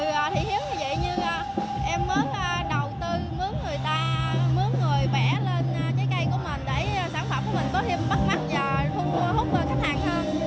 nhờ thị hiếu như vậy em mới đầu tư mướn người ta mướn người bẻ lên trái cây của mình để sản phẩm của mình có thêm bắt mắt và hút khách hàng hơn